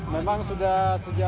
memang sudah sejak